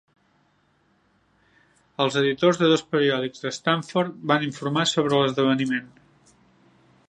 Els editors de dos periòdics de Stamford van informar sobre l'esdeveniment.